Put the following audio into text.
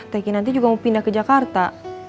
thanky nanti juga mau pindah ke jakarta